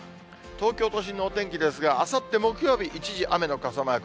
東京都心のお天気ですが、あさって木曜日、一時雨の傘マーク。